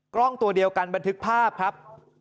กล้องตัวเดียวกันบันทึกภาพครับ